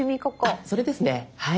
あっそれですねはい。